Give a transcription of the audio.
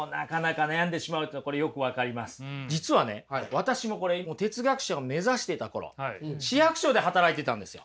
私も哲学者を目指していた頃市役所で働いてたんですよ。